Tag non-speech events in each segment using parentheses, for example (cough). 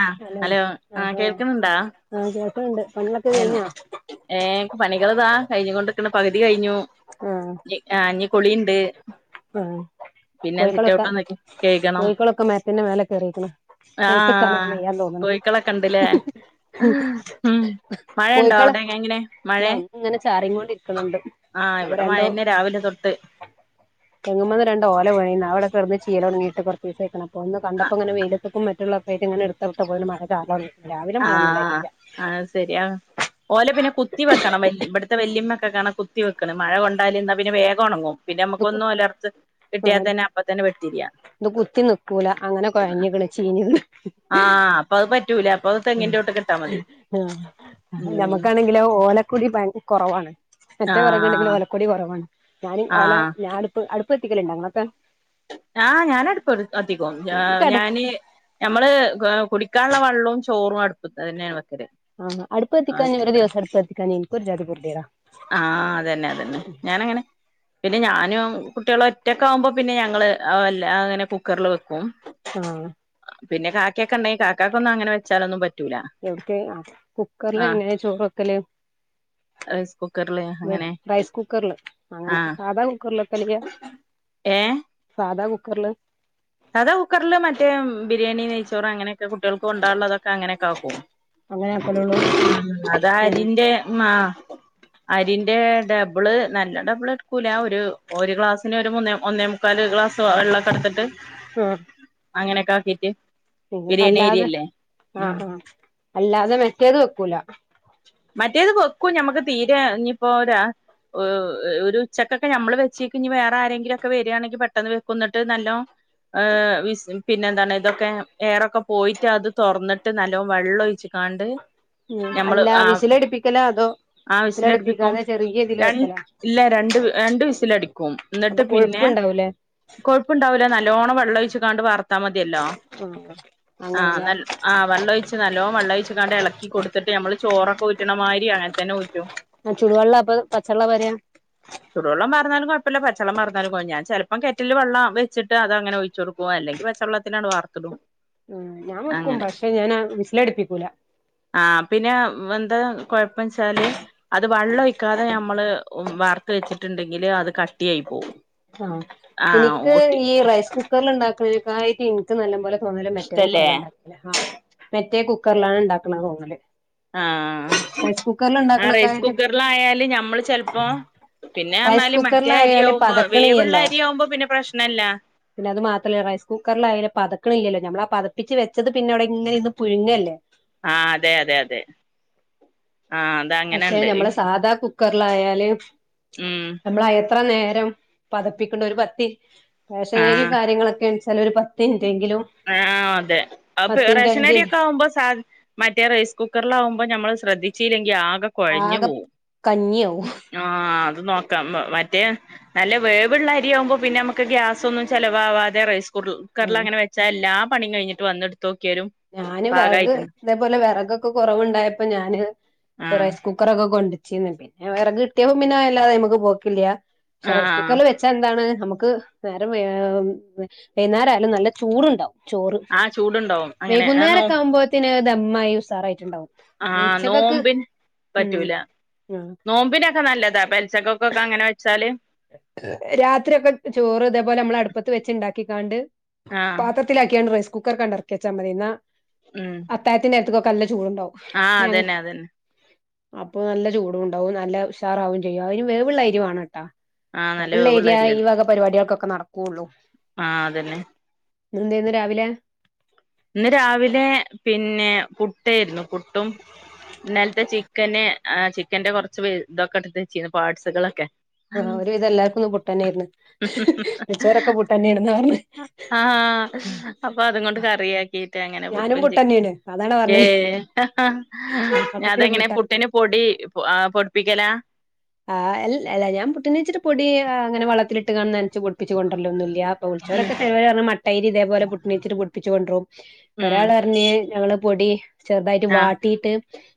ആഹ് hello ആ ആഹാ കേൾക്ക്ണ് ണ്ടാ ആഹ് ആഹ് കേൾക്ക്ണ്ട് പണികളൊക്കെ കഴിഞ്ഞോ എ പണികള്താ കയിഞ്ഞ്ക്കോണ്ട്ക്ക്ണ് പക്ദി കയ്ഞ്ഞ് ആഹ് ആ്ഞി കുളിയിണ്ട് ആഹ് കോയിക്കളൊക്കെ കഴുകണം കോയിക്കളൊക്കെ മരത്തിന്റെ മേലേ കേറിക്ക്ണ് നെലത്ത് ക്കാൻ ആഹ് കോഴിക്കളൊക്കെ ഉണ്ടല്ലേ ഉം (unintelligible) മഴയുണ്ടോ കോയിക്കള് അവിടെ എങ്ങനെ ന്താ മഴേ ഇങ്ങനെ ചാറിം കൊണ്ടിരിക്ക്ണ്ണ് ണ്ട് ആഹ് ഇവടെ മഴ ന്നെ രാവിലെ തൊട്ട് തേങ്ങുമന്ന് രണ്ട് ഓല വീണീന്ന് അഹ് അവടെ കെടന്ന് ചീയല്ടോങ്ങിട്ട് കോറച്ചിസയിക്ക്ണ് അപ്പോ ന്ന് കണ്ടപ്പോങനെ വെയിലത്ക് മറ്റുള്ള ഏടുത്തച്ചപ്പോ പ്പോ മഴ ചാറല് തോടങ്ങി രാവിലെ മഴന്നുണ്ടായിട്ടില്ല ശരിയാ ഓല പിന്നെ കുത്തി വെക്കണം വ ഇവടുത്തെ വല്യിമ്മൊക്കെ കാണ കുത്തി വെക്ക്ണ് മഴ കൊണ്ടാല് ന്നാ പിന്നെ വേഗം ഓണങ്ങും പിന്ന വമ്മക്കൊന്നും ഒലർത്ത് ആ കിട്ടിയാൽ തന്നെ അപ്പ തന്നെ വെട്ടിരിയാ ഇത് കുത്തി നിക്കൂല അങ്ങനെ കോയഞ്ഞ്ക്ക്ണ് ചീഞിണ് ആ അപ്പൊ അഹ് പറ്റൂല അപ്പൊ അത് ഉം തെങ്ങിന്റെ തൊട്ട്ക്ക്ട്ടാ മതി ഉം ഞമ്മക്കാണെങ്കിലോ ഓലക്കോടി ഭയക് കോറവാണ് മറ്റേ വറകുണ്ടെങ്കിലു ആഹ് ഓല കോടി കോറവാണ് ഞാന് ഓല ആഹ് ഞാന്പ്പോ അടുപ്പത്തിക്കല്ണ്ട ഇങ്ങള്ക്കോ ആഹ് ഞാനട്പ്പ് കത്തിക്കും ഇൻക്കട ഞാന് ഞമ്മള് കുടിക്കാള്ളേ വെള്ളും ചോറും അടുപ്പത്തന്നേണ് വെക്കല് ആഹ് അട്പ്പത്തിക്കാഞ ഇക്ക് ഒരു ദിവസം അട്പ്പത്തിക്കാഞ ഇൻക്ക് ഒര്ജാതി ഗതിടാ ആഹ് അതന്നെ അതന്നെ ഞാനങ്ങനെ പിന്നെ ഞാനും കുട്ടൃാളും ഒറ്റക്കൊകുമ്പോ പിന്നെ ഞങ്ങള് എല്ലാ അങ്ങനെ കുക്കറി ൽ വെക്കും. ആഹ് പിന്നെ കാക്കെണ്ടെങ്കി കാക്കക്കോന്നും അങ്ങനെച്ചാല് ന്നും പറ്റു എവിട്ക്ക് കുക്കറ്ലെങേനെ ചോറൊക്കല് റൈസ് കുക്കറില് അങ്ങനെ റൈസ് കുക്കറ്ല് അങ്ങനെ ആഹ് സാധാ കുക്കറില്ക്കെലില്ല ഏഹ് സാധാ കുക്കറ്ല് സാധാ കുക്കറ്ല് മറ്റേ ബിരിയാണി നെയ്ച്ചോറ് അങ്ങനെക്കെ കുട്ടൃാൾക്കു കൊണ്ടാള്ളതൊക്കെ അങ്ങനൊക്കെ വെക്കും അങ്ങനെ ആക്കലൊള്ളൂ ഉ അതാ ആഹ് അരിൻ്റെ മാ അരിന്റെ ഡബിള് നല്ല ഡബിള് ടുക്കൂല ഒരു ഒരു ഗ്ലാസ്സിന് ഒരു മൂന്നേ ഒന്നേ കാല് ഗ്ലാസ് വെള്ളോക്കെടുത്തിട്ട് മ് അങ്ങനെക്കെ ആക്കീട്ട് പി അല്ലാതെ ആ ആ അല്ലാതെ മെറ്റേത് വെക്കൂല മറ്റേത് വെക്കും ഞമ്മക്ക് തീരെ ഇനിയിപ്പോരാ ഓ ഒരു ഉച്ചക്കൊക്കെ നമ്മള് വെച്ചിക്കിഞ്ഞ് വേറെ ആരെങ്കിലുംക്കെ വരാണെങ്കി പെട്ടെന്ന് വെക്കും ന്നിട്ട് നല്ലോ ഹ് വി പിന്നെ എന്താണ് ഇതൊക്കെ ഏറൊക്കെ പോയിട്ട് അത് തുറന്നിട്ട് നല്ലോ വെള്ളം ഒഴിച്ചിട്ട കാണ്ട് ഉം അല്ലാ വിസിലടിപ്പിക്കലൊ അതോ ആ വിസിലടിപ്പിക്കും വിസിലടിപ്പിക്കാതെ ചെറിയ ഇതില് രണ്ട് വെക്കലോ ഇല്ല രണ്ട് രണ്ട് വിസലടിക്കും. അപ്പൊ കൊഴപ്പ്ണ്ടാവൂലേ? കൊഴപ്പുണ്ടാവൂല നല്ലോണം വെള്ളം ഒഴിച്ച് കാണ്ട് വാർത്താ മതിയല്ലോ ആഹ് ആഹ് അങ്ങനെല്ലേ ന ആഹ് വള്ളൊഴിച്ച് നല്ലോം വെള്ള ഒഴിച്ച് കാണ്ട് ഇളക്കി കൊടുത്തിട്ട് നമ്മള് ചോറൊക്കെ ഊറ്റണമാതിരി അങ്ങനെ തന്നെ ഊറ്റും. ആ ചുടുവെള്ള അപ്പൊ പച്ചെള്ള പാരാ? ചൂടുവെള്ളം വാർന്നാലും കുഴപ്പില്ല പച്ചവെള്ളം വാർന്നാലും ഞാൻ ചിലപ്പൊ കെറ്റിൽ വെള്ളം വച്ചിട്ട് അത് അങ്ങനെ ഒഴി (unintelligible) അല്ലെങ്കിൽ പച്ചൊള്ളത്തിനട് വാർത്തിടും. ആഹ് ഞാൻ വെക്കും അങ്ങനെ പക്ഷെ ഞാൻ വിസലടിപ്പിക്കൂല. ആഹ് പിന്നെ വെന്താ കൊഴ്പ്പ വെച്ചാല് അത് വെള്ളൊയിക്കാതെ നമ്മള് വർത്ത് വെച്ചിട്ടുണ്ടെങ്കില് അത് കട്ടിയായി പോകും. ആഹ് എനിക്ക് ഈ റൈസ് കുക്കറിൽ ഉണ്ടാക്കുന്നക്കായിട്ട് എനിക്ക് നല്ല പോലെ തോന്നല് മറ്റെ ഇഷ്ടല്ലേ മറ്റേ കുക്കറിലിണ്ടാകലാ മറ്റേ കുക്കറിലാണ് ഉണ്ടാക്കണ തോന്നല് ആഹ് റൈസ് കുക്കറിൽ ആ റൈസ് ഉണ്ടാക്കണക്കായിട്ട് കുക്കറിലായാല് ഞമ്മള് ചെലപ്പോ പിന്നെ റൈസ് എന്നാല് മറ്റേ കുക്കറിലായാല് അരിയാവുമ്പോ വേവുള്ള പതക്കണില്ലല്ലോ അരിയാവുമ്പോ പിന്നെ പ്രശ്നല്ല. പിന്നെ അത് മാത്രല്ല റൈസ് കുക്കറിൽ അയാലും പതക്കണില്ലല്ലോ നമ്മള് ആ പതപ്പിച് വെച്ചത് പിന്നവിടെ ഇങ്ങനെ ഇന്ന് പുഴുങ്ങല്ലേ? ആഹ് അതെ അതെ അതെ ആഹ് പക്ഷെ നമ്മളെ സാധാ കുക്കറിലായല് ഉം നമ്മള് എത്ര നേരം പതപ്പിക്കണ്ട ഒരു പത്തി ആ റേഷനേരി കാര്യങ്ങളൊക്കെ വെച്ചാൽ ഒരു പ ത്തിൻറ്റെങ്കിലും ആഹ് അതെ അപ്പൊ റേഷനരിയൊക്കെ ആവുമ്പോ സാ മറ്റേ റൈസ് കുക്കറിലാകുമ്പോ നമ്മളത് ശ്രദ്ധിച്ചല്ലെങ്കി ആകെ കുഴഞ്ഞു ആകെ പോവും. കഞ്ഞിയാവും ആഹ് അത് നോക്കാം മറ്റേ നല്ല വേവുള്ള അരിയാവുമ്പോ പിന്നെ നമുക്ക് ഗ്യാസ് ഒന്നും ചിലവാവാതെ റൈസ് കു കറില് ആഹ് അങ്ങനെ വെച്ചാ എല്ലാ പണി കഴിഞ്ഞിട്ട് വന്ന് എടുത്തു നൊക്കിയാലും ഞാന് വിറക് ഇതേപോലെ വിറകൊക്കെ കുറവുണ്ടായപ്പോ ഞാന് ആ റൈസ് കുക്കറൊക്കെ കൊണ്ട് പിന്നെ വിറക് കിട്ടിയപ്പോ പിന്നെ അത് ഇല്ലാതെ നമുക്ക് പോക്കില്ല പക്ഷെ ആ റൈസ് ആ കുക്കറിൽ വെ വച്ചാ എന്താണ് നമുക്ക് നേരം വൈന്നേരായാലും നല്ല ചൂടുണ്ടാവും ചോറ്. ആഹ് ചൂടുണ്ടാവും. അങ്ങനെ ആ നോ വൈകുന്നേരൊക്കെ ആവുമ്പോത്തിന് ധമ്മായി ഉസാറായിട്ടുണ്ടാവും. ആഹ് ഉച്ചക്കൊക്ക് നോമ്പിന് ഉം പറ്റൂല ആഹ് നോമ്പിലാതപ നല്ലതാ ഉചക്കൊക്കെ അങ്ങനെ വച്ചാല് രാത്രി ഒക്കെ ചോറ് ഇതേപോലെ നമ്മള് അടുപ്പത്ത് വെച്ച് ഉണ്ടാക്കിക്കാണ്ട് ആഹ് പാത്ര ത്തിലാക്കിയാണ്ട് റൈസ് കുക്കർകണ്ടിറക്കി വച്ചമ്മതീന്ന ഉം അത്തായത്തിനേരതൊക്കെ നല്ല ചൂടുണ്ടാവും. ആഹ് ഞങ്ങ അതന്നെ അതന്നെ അപ്പൊ നല്ല ചൂടുണ്ടാവും നല്ല ഉഷാറാവും ചെയ്യും അതിന് വേവുള്ള അരിവണൊട്ടാ ആ നല്ല വേവുള്ള അരിയ ഈ വക പരിപാടികൾക്കൊക്കെ നടക്കുള്ളൂ. ആഹ് അതന്നെ ഇന്ന് എന്തേരുന്നു രാവിലെ? ഇന്ന് രാവിലെ പിന്നെ പുട്ടായിരുന്നു പുട്ടും ഇന്നലത്തെ ചിക്കന് ചിക്കന്റെ കുറച്ച് ഇതൊക്കെ എടുത് വെച്ചിരുന്നു പാർട്സുകളൊക്കെ ആഹ് ഒരുവിധം എല്ലാർക്കും ഇന്ന് പുട്ട് തന്നെയേയിരുന്ന് വിളിച്ചൊരൊക്കെ പുട്ട് തന്നെയാണെന്ന പറഞ്ഞേ ആഹാ അപ്പൊ അതും കൊണ്ട് കറിയാക്കിയിട്ട് അങ്ങനെ ഞാനും പുട്ടും ചി പുട്ടെന്നേണ് അതാണ് പറഞ്ഞത് ഏഹ് മൊത്തത്തില് അതെങ്ങനെ പുട്ടാ പുട്ടിന് പൊടി പൊടിപ്പിക്കലാ? ആല്ല ഞാൻ പുട്ടിനെച്ചിട്ട പൊടി അങ്ങനെ വള്ളത്തില് ഇട്ട് കാണന്ന് നനച്ച് കുളിപ്പിച്ച് കൊണ്ടരലൊന്നുല്ല ഇപ ഉം വിളിച്ചോരൊക്കെ ചെലൊര് പറഞ്ഞ മട്ടയിരി ഇതേപൊലെ (unintelligible) പൊടിപ്പിച്ച് കൊണ്ട്രും ഉം ഒരാൾ പറഞ്ഞ് ഞങ്ങള് പൊടി ചെറുതായിട്ട് ആഹ് വാട്ടിയിട്ട്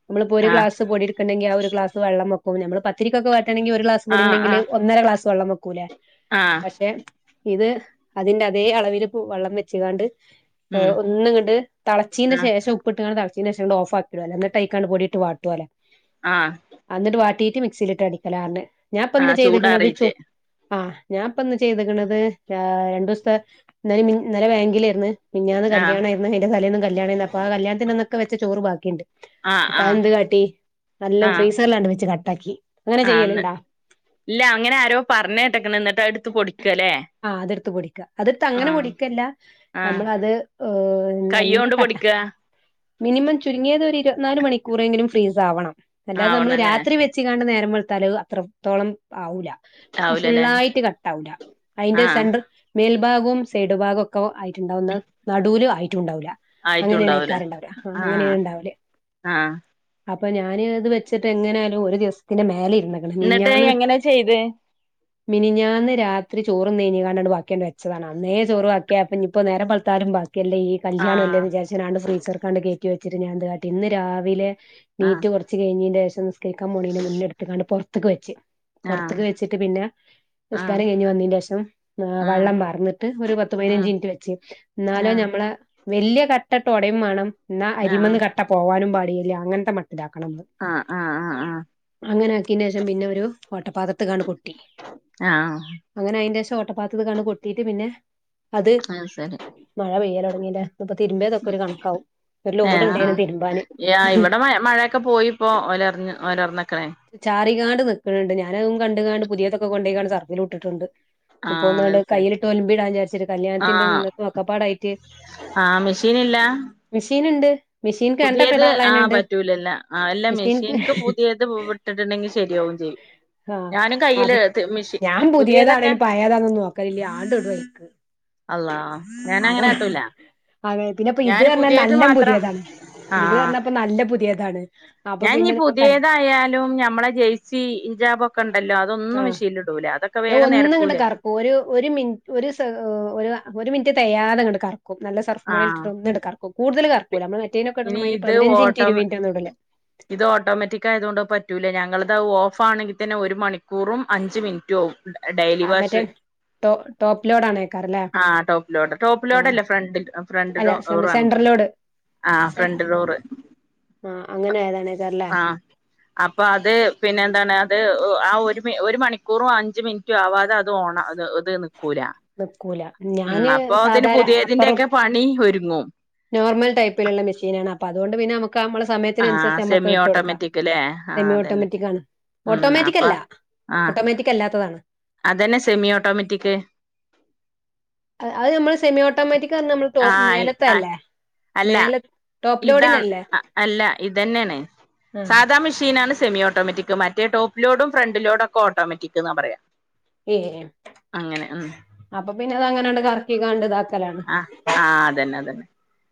നമ്മളിപ്പോ ഒരു ആഹ് ഗ്ലാസ് പൊടി ണ്ടങ്കി ആ ഒരു ഗ്ലാസ്‌ വെള്ളം വക്കും നമ്മൾ പത്തിരിക്കൊക്കെ വാട്ടാണെങ്കി ഒരു ഗ്ലാസ്‌ പൊടി ആഹ് ഇണ്ടെങ്കില് ആഹ് ഒന്നര ഗ്ലാസ്‌ വെള്ളം വെക്കുലെ ആഹ് പക്ഷെ ഇത് അതിന്റെ അതേ അളവിൽ വെള്ളം വെച്ചാണ്ട് ഉം ഒന്ന് തെളച്ചീന്റെ ആഹ് ശേഷം ഉപ്പിട്ട് തെളച്ചീന്റെ ശേഷം അങ്ങട് ഓഫ് ആക്കിടാ എന്നിട്ടക്കാണ്ട് പൊടിയിട്ട് വാട്ടുവലേ (unintelligible) ആഹ് അന്നിട്ട് വാട്ടീട്ട് മിക്സിയിലിട്ട് അടിക്കലാർന്ന് ഞാനിപ്പന്ന് ആഹ് ചെയ്തക്കണത് ചൂടാറിയിട്ട് ആഹ് ഞാൻപ്പ ഇന്ന് ചെയ്തക്കണത് രണ്ടു ദിവസത്തെ ഇ ഇന്നലെ ബാങ്കിലായിരുന്നു മിനിഞ്ഞാന്ന് ആഹ് കല്യാണം ആയിരുന്നു അതിന്റെ തലേന്നും കല്യാണമായിരുന്നു അപ്പോ ആ കല്യാത്തിന്റെ അന്നൊക്കെ വെച്ച ചോറ് ബാക്കി ആഹ് അപ്പൊ ആഹ് അതെന്ത് കാട്ടി നല്ല ഫ്രീസറിലാണ് വെച്ച് കട്ടാക്കി അങ്ങനെ ആഹ് ചെയ്യലുണ്ടാ ഇല്ല അങ്ങനെ ആരോ പറഞ്ഞു കേട്ടക്കണ് എന്നിട്ട് അടുത്ത് പൊടിക്കല്ലേ ആഹ് അതെടുത്തു അഅതെടുത്തു അങ്ങനെ ആഹ് പൊടിക്കല്ല ആഹ് നമ്മളത് നല്ല കയ്യോണ്ട് കട്ട പൊടിക്ക മിനിമം ചുരുങ്ങിയത് ഒരു ഇരുപത്തിനാല് മണിക്കൂറെങ്കിലും ഫ്രീസ് ആവണം അല്ലാതെ നമ്മൾ ആവണല്ലേ രാത്രി നേരം വെളുത്താല് അത്രത്തോളം ആവില്ല ആവൂലല്ലേ ഫുള്ളായിട്ട് അതിന്റെ ആഹ് സെന്റർ മേൽഭാഗവും സൈഡ് ഭാഗവും ഒക്കെ ആയി ണ്ടാവുന്ന നടുവലും ആയിട്ടും ഉണ്ടാവില്ല അങ്ങനെയാണ് ആയിട്ടുണ്ടാവൂല ഏക്കാരുണ്ടാവില്ല ആഹ് അങ്ങനെണ് ഉണ്ടാവല് ആഹ് അപ്പൊ ഞാന് ഇത് വെച്ചിട്ട് എങ്ങനെയാലും ഒരു ദിവസത്തിന്റെ മേല ഇരുന്ന് എന്നിട്ട് മിനിഞ്ഞാന്ന് എങ്ങനെ ചെയ്ത് മിനിഞ്ഞാന്ന് രാത്രി ചോറും തിന് കഴിഞ്ഞ് ബാക്കിയാണ്ട് വെച്ചതാണ് അന്നേ ചോറ് വാക്കിയാപ്പനി ഇപ്പൊ നേരം വെളുത്താലും ബാക്കിയല്ലേ ഈ കല്യാണമല്ലേ ആഹ് വിചാരിച്ചാ നാണ്ട് ഫ്രീസർകാണ്ട് കേറ്റി വെച്ച് ഞാൻ എന്ത് കാട്ടി ഇന്ന് രാവിലെ ആഹ് എണീറ്റ് വച്ച് കഴിഞ്ഞീന്റെ ശേഷം നിസ്കരിക്കാൻ പോണേനു മുന്നെ എടുത്തിങ്ങട് പുറത്തക്ക് വെച്ച് ആഹ് പുറത്തക്ക് വെച്ചിട്ട് പിന്നെ ആഹ് നിസ്ക്കാരം കഴിഞ്ഞ് വന്നതിന്റെ ശേഷം ആഹ് വെള്ളം പാറന്നിട്ട് ഒരു പത്ത് പതിനഞ്ച് ഉം മിനിറ്റ് വെച്ച് എന്നാല ആഹ് ഞമ്മള് വല്ല്യ കാട്ടട്ടൊടയോം വേണം എന്നാ ആഹ് അരിമന്ന് കട്ട പോവാനും പാടയില്ലേ അങ്ങന ഇണ്ടാക്കണം ആഹ് ആഹ് ആഹ് അങ്ങനെ ആക്കിയന് ശേഷം പിന്നെ ഒരു വട്ടപ്പാത്രതങ്ങട് കൊട്ടി ആഹ് അങ്ങനെ അയിന്റെ ശേശം ഓട്ടപ്പാത്തത് കാണ് കൊട്ടീട്ട് പിന്നെ അത് മഴ പെയ്യൽ തുടങ്ങില്ലേ അപ്പൊ തിരുമ്മിയതൊക്കെ ഒരു കണക്കാവും ഒരു ലോഡ് ഏഹ് ഉണ്ടായിരുന്നു തിരുമ്പാന് ആഹ് ഇവിടെ മഴയൊക്കെ പോയിപ്പോ ഓലറിഞ്ഞ് ഓലറിഞ്ഞൊക്കെ ചാറി കാണ്ട് നിക്കണണ്ട് ഞാനതും കണ്ട് കാണ്ട് പുതിയതൊക്കെ കൊണ്ടെ പോയിക്കാണ്ട് സർഫിലിട്ടിട്ടുണ്ട് ആഹ് ഇപ്പൊന്നാണ്ട് അത് ശരി കയ്യിലിട്ട് ഉലുമ്പിടാൻ വിചാരിച്ചട്ട് കല്യാണത്തിന്റേം ആഹ് ഇന്നത്തും ഒക്കപ്പാടായിട്ട് ആഹ് മെഷീൻ ഇല്ല? മെഷീൻ ഉണ്ട് മെഷീൻ പുതിയത് ആഹ് കണ്ടിട്ടിടാനുള്ളതിനുണ്ട് പറ്റൂലല്ല ആഹ് അല്ലാ മിഷീൻക്ക് മെഷീൻക്ക് പുതിയത് വിട്ടിട്ടുണ്ടെങ്കിൽ ശരിയാവും ചെയ്യും ആഹ് ഞാനും കയ്യില് അപ്പൊ മെഷീ ഞാൻ പുതിയതൊക്കെ പുതിയതാണേലും പയേതാന്നൊന്നും നോക്കാലില്ല ആണ്ട് ഇടും അലക്കാൻ അള്ളാ ഞാൻ അങ്ങന കാട്ടുല്ല അതെ പിന്നെപ്പ ഇത് പറഞ്ഞാ നല്ല മാത്രം പുതിയതാണ് ഇത് ആഹ് പറഞ്ഞാ നല്ല പുതിയതാണ് അപ്പൊ ഞാൻ ഈ പിന്നെ ഇപ്പ പുതിയതായാലും ഞമ്മളെ ജെയ്സി ഹിജാബ് ഒക്കെ ഉണ്ടല്ലോ അതൊന്നും ആഹ് മെഷിനിൽ ഇടുല്ല അതൊക്കെ ഞാൻ വേഗം ഒന്ന്ങ്ങട്ട് നിരക്കൂലേ കറക്കും ഒരു ഒരു മിന ഒരു ഒരു മിനിറ്റ് തെയ്യാതെ കിടുക്കാറ് നല്ല സർഫും കൂടെ ആഹ് ഇട്ടിട്ട് ഒന്നങ്ങട് കറക്കും കൂടുതൽ പി കറക്കൂല്ല നമ്മ മറ്റേനൊക്കെ ഇടണ ഇനി മാതിരി ഇത് പതിനഞ്ചു മിനിറ്റ് ഓട്ടം ഇരുപത് മിനിറ്റൊന്നും ഇടൂല്ല ഇത് ഓട്ടോമാറ്റിക്ക് ആയതുകൊണ്ട് പറ്റൂല ഞങ്ങളിത് ഓഫ് ആണെങ്കിൽ തന്നെ ഒരു മണിക്കൂറും അഞ്ച് മിനിറ്റും ആവും ഡെയിലി ആഹ് മറ്റേ വാഷ് ടോ ടോപ്പ് ലോഡാണേക്കാരല്ലേ ആഹ് ടോപ്പ് ലോഡ് ടോപ്പ് ലോഡല്ലാ ഫ്രണ്ട് ഫ്രണ്ട്ലോഡ് ന്റെ സെന്റർ ലോട് ആഹ് ഫ്രണ്ട് ഡോറ് ആഹ് അങ്ങനെ ആയതാണ്ക്കാറല്ലേ ആ (unintelligible) അപ്പൊ അത് പിന്നെ എന്താണ് അത് ആ ഒരു ഒരു മണിക്കൂറും അഞ്ച് മിനി റ്റും ആവാതെ അത് ഓണ അത് അത് നിക്കൂല. നിക്കൂല ഉം ഞാന് അപ്പൊത്തിന് സാധാര പുതിയതിന്റെ അപ്പറം ഒക്കെ പണി ഒരുങ്ങും നോർമൽ ടൈപ്പിലുള്ള മെഷീനാണ് അപ്പ അതുകൊണ്ട് പിന്നെ നമ ക്ക് നമ്മളെ ആ സമയത്തിനനുസരിച്ച് സെമി നമ്മക്ക് ഇട്ട് കൊടുക്കാം ഓട്ടോമാറ്റിക് ല്ലേ ആ സെമി അതന്നെ ഓട്ടോമാറ്റിക്കാണ് ഉം ഓട്ടോമാറ്റിക്ക് അപ്പൊ അല്ല ആ ഓട്ടോമാറ്റിക്ക് അല്ലാത്തതാണ് അതന്നെ സെമി ഓട്ടോമാറ്റിക്ക് അത് നമ്മള് സെമി ഓട്ടോമാറ്റിക്ക് പറഞ്ഞാ നമ്മള് ടോ ആ മേലത്തെയല്ലേ അല്ല ഇതാണ് അല്ല ഇതെന്നെയാണ് ആ സാദാ മെഷീനാണ് സെമി ഓട്ടോമാറ്റിക്ക് മറ്റേ ടോപ്പ് ലോഡും ഫ്രണ്ട് ലോഡും ഒക്കെ ഓട്ടോമാറ്റിക്കെന്നാ പറയാ ഏ അങ്ങനെ ഉം അപ്പൊ പിന്നെ അതങ്ങനെ അങ്ങട്ട് കറ ക്കിക്കാണ്ട് ഇതാക്കലാണ് ആ ആ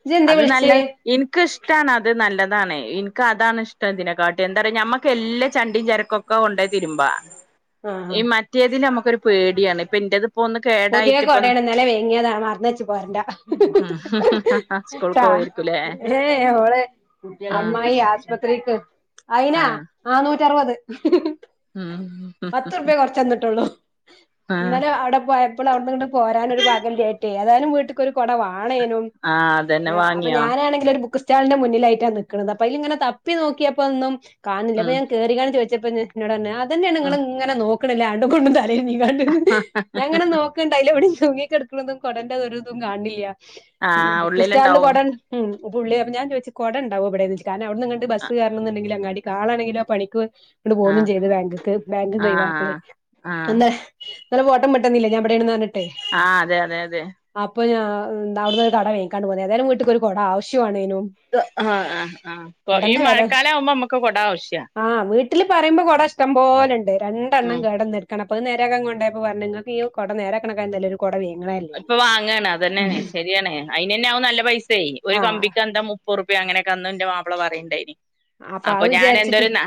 ഇജ്ജ് എന്തേ വിളിച്ചേ എനിക്കിഷ്ടാണ് അത് നല്ലതാണ് എനിക്ക് അതാണ് ഇഷ്ടം ഇതിനെക്കാട്ടിലും എന്താ പറയുക ഞമ്മക്ക് എല്ലാ ചണ്ടിയും ചരക്കൊ ക്കെ കൊണ്ടോയി തീരുമ്പോ ആ ആ ഈ മറ്റേതിലിൽ നമുക്കൊരു പേടിയാണ് ഇപ്പൊ എന്റേതിപ്പോ ഒന്ന് കേടായി പുതിയ കൊടയാണ് ഇന്നലെ വങ്ങിയതാ മറന്നു വച്ചു പോരണ്ട സ്കൂൾക്ക് ചാ പോവായിരിക്കൂലേ ഏ ഓള് അമ്മായി ആശുപത്രിക്ക് അയിനാ ആ നാനൂറ്ററുപത് ഉം പത്ത് റുപ്യയെ കൊറച്ച് തന്നിട്ടുള്ളൂ ആ ഇന്നലെ അവിടെ പോയ പ്പോൾ അവിടുന്നിങ്ങട്ട് പോരാനൊരു പാകവില്ലായിട്ടെ ഏതായാലും വീട്ടുക്കൊരു കുട വേണേനും. ആ ഏ അതന്നെ അപ്പൊ വാങ്ങിയോ ഞാനാണെ ഒരു ബുക്ക് സ്റ്റാളിന്റെ മുന്നിലായിട്ടാ നിൽക്കുന്നത് അപ്പൊ അതിലിങ്ങനെ തപ്പി നോക്കിയപ്പോ ഒന്നും കാണുന്നില്ല അപ്പ ഉം ഞാൻ കേറി കാണ്ട് ചോദിച്ചപ്പ ഇന്നോട് പറഞ്ഞു അതന്നെയാണ് ഇങ്ങൾ ഉം ഇങ്ങെനെ നോക്കണത് (unintelligible) കൊണ്ടും. (unintelligible) ഞാൻ ഇങ്ങനെ നോക്കണ്ട് അതിലവിടെ തൂങ്ങി കിടക്കണതും കൊടേന്റെ ഒരു ഇതും കാണിണില്ല ആ ബുക്ക് സ്റ്റാളിൽ ഉള്ളിലുണ്ടാവും കൊട ഉണ്ട് ഉം പുള്ളി അപ്പം ഞാൻ ചോദിച്ചു കൊട ഇണ്ടാവോ ഇവിടെയെന്ന് കാരണം അവിടന്നങ്ങട്ട് ആ ബസ് കയറണം എന്നുണ്ടെങ്കിൽ അങ്ങാടി കാണാണെങ്കിലോ പണിക്ക് കൊണ്ട് പോന്നും ആഹ് ചെയ്ത് ബാങ്ക് ബാങ്കീന്ന് ഒഴിവായപ്പോളെ ആഹ് ആഹ് എന്താ ഇന്നലെ ഫോട്ടം വിട്ടന്നില്ലേ ഞാൻ ഇവിടെയാണെന്ന് പറഞ്ഞിട്ടേ ആഹ് അതെ അതെ അതെ അപ്പൊ ഞാൻ അവിടുന്ന് ഒരു കൊട വാങ്ങിക്കാണ്ട് പോന്നു ഏതായാലും വീട്ടുക്കൊരു കൊട ആവശ്യവാണേനും ആഹ് ആഹ് ആഹ് ഈ മഴക്കാലം ആവുമ്പോ നമുക്ക് കൊട ആവശ്യവാ ആ വീട്ടിൽ പറയുമ്പോ കുട ഇഷ്ടം പോല ഉണ്ട് രണ്ടെണ്ണം കേട് വന്ന് കെടക്കാണ് അപ്പോ അത് നേരെയാക്കാൻ കൊണ്ട് പോയപ്പോ പറഞ്ഞ് ഇങ്ങക്ക് ഈ കൊട നേരെ ആക്കണേക്കാൽ നല്ലത് കൊട വാങ്ങുവായിരുന്നു ഇപ്പൊ വാങ്ങാണ് അതന്നെയാണ് ശരിയാണ് അയിന് തന്നെ ആ നല്ല പൈസായേ ഒരു ആ കമ്പിക്ക് എന്താ മു പ്പത് റുപ്പിക അങ്ങനെയൊക്കെ അന്ന് എന്റെ മാപ്പിള പറയുന്നുണ്ടായിനി അപ്പൊ അത് ഞാൻ വിചാരിച്ചിട്ട് എന്തറയന്നോ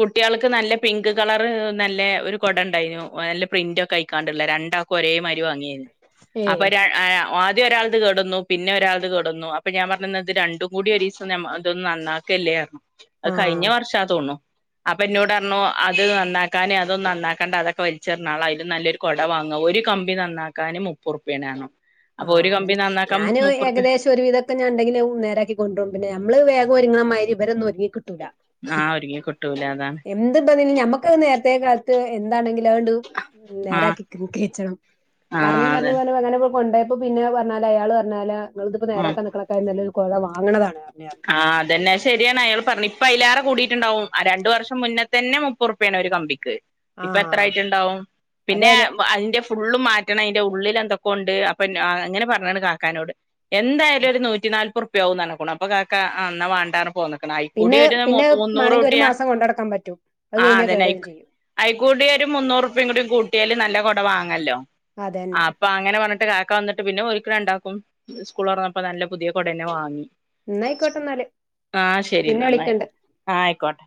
കുട്ടികൾക്ക് നല്ല പിങ്ക് കളറ് നല്ല ഒരു കുട ഉണ്ടായിരുന്നു നല്ല പ്രിന്റ് ഒക്കെ അയിക്കാണ്ടള്ളേ രണ്ടാ ക്കും ഒരേ മാതിരി വാങ്ങിയാന് ഏ അപ്പൊ ര ആഹ് ആദ്യം ഒരാളത് കേട് വന്നു പിന്നെ ഒരാളത് കേട് വന്നു അപ്പൊ ഞാൻ പറഞ്ഞു എന്നാ ഇത് രണ്ടും കൂടി ഒരീസം ഇതൊന്ന് നന്നാ ക്കല്ലേ പറഞ്ഞു അത് ആ കഴിഞ്ഞ വർഷവാ തോന്നണു അപ്പൊ എന്നോട് പറഞ്ഞു അത് നന്നാക്കാന് അതൊന്നും നന്നാക്കണ്ട അതൊക്കെ വലിച്ചെറിഞ്ഞാളെ അതിലും നല്ലൊരു കൊട വാങ്ങ ഒരു കമ്പി നന്നാക്കാന് മുപ്പത് റുപ്പിയ ആണ് പറഞ്ഞു അപ്പൊ ആഹ് ഒരു അത് കമ്പി തന്നെ നന്നാക്കാൻ ഞാനും മുപ്പുറുപ്പ്യ ഏകദേശം ഒരുവിധ ത്തിൽ ഉണ്ടെങ്കില് നേരാക്കി കൊണ്ട് വരും പിന്നെ നമ്മള് വേഗം ഒരുങ്ങണ മാതിരി ഇവരൊന്നും ഒരുങ്ങി കിട്ടൂല ആഹ് ഒരുങ്ങി കിട്ടൂല അതാണ് എന്തുണ്ടതിന് ഞമ്മക്കത് നേരത്തെ കാലത്തെ എന്താണെങ്കിലും അതങ്ങട്ട് ആ നേരെയാക്കി (unintelligible) ആ പറഞ്ഞ് അതെ പറഞ്ഞ് പറഞ്ഞ് അങ്ങനെ ഇപ്പ കൊണ്ടോയപ്പോ പിന്നെ പറഞ്ഞാലാ അയാള് പറഞ്ഞോലോ ഇങ്ങളിതിപ്പോ ആ നേരാക്കാൻ നിക്കണേക്കാ നല്ലത് കൊഴ വങ്ങണതാണ് പറഞ്ഞ് പറഞ്ഞ് ആഹ് അതന്നെ ശരിയാണ് അയാള് പർഞ്ഞ് ഇപ്പൊയിലേറെ കൂടിട്ടുണ്ടാവും ആ രണ്ടു വർഷം മുന്നേതന്നെ മുപ്പറുപ്യാണ് ഒരു കമ്പിക്ക് ഇപ്പ ആഹ് എത്രായിറ്റ്ണ്ടാവും അതെ പിന്നെ അതെ അയിന്റെ ഫ് ഫുള്ള് മാറ്റണയിന്റെ ഉള്ളിലെന്തൊക്കോ ഇണ്ട് അപ്പൊ ഞാ അങ്ങനെ പറഞ്ഞണ്ണ് കാക്കാനോട് എന്തായാലൊരു നൂറ്റിനാൽപ്പുർപ്യ ആവൂന്ന് പറഞ്ഞക്കണു അപ്പൊ കാക്ക ആഹ് എന്നാ വാണ്ടാ പർ പോന്ന്ക്കണ് അയിക്കൂടി പിന്നെ ഒരു പിന്നെ മുപ് മാണെങ്കി ഒരു മുന്നൂറൂറ്പ്യാ മാസം കൊണ്ടടക്കാൻ പറ്റും അത് ആഹ് കഴിഞ്ഞാ അതെന്നെ കേട് വരും അയിക്ക് ചെയ്യും അയികൂടി ഒരു മുന്നൂറുപ്പയുകൂടി കൂട്ടിയാല് നല്ല കൊടവാങ്ങല്ലോ അതന്നെ ആഹ് അപ്പൊ അങ്ങനെ പറഞ്ഞിട്ട് കാക്ക ഇക്ക വന്നിട്ട് പിന്നെ ഓലിക്ക് രണ്ടാക്കും സ്കൂളൊറന്നപ്പോ നല്ല പുതിയ കൊടന്നെ വാങ്ങി എന്നായിക്കോട്ടെ എന്നാല് ആഹ് പിന്നെ ശെരിന്നാ വിളിക്കണ്ട് ആയിക്കോട്ടെ ആഹ് ആയിക്കോട്ടെ